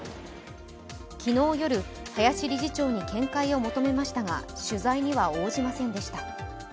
昨日夜、林理事長に見解を求めましたが取材には応じませんでした。